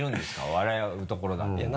笑うところだっていうの。